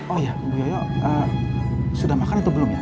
oh ya bu yoyo sudah makan atau belum ya